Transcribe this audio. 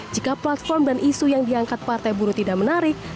jika platform dan isu yang diangkat partai buruh tidak menarik